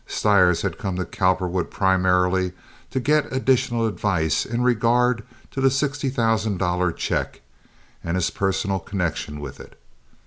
Stires had come to Cowperwood primarily to get additional advice in regard to the sixty thousand dollar check and his personal connection with it.